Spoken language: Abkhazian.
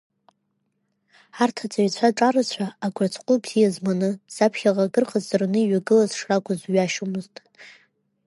Арҭ аҵаҩцәа ҿарацәа, агәырҵҟәыл бзиа зманы, заԥхьаҟа акыр ҟазҵараны иҩагылаз шракәыз ҩашьомызт.